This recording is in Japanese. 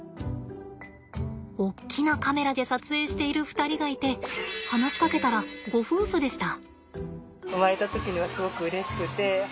大きなカメラで撮影している２人がいて話しかけたらご夫婦でした。